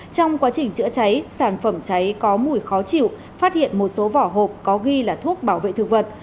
trong quá trình chữa cháy sản phẩm cháy có mùi khó chịu phát hiện một số vỏ hộp có ghi là thuốc bảo vệ thực vật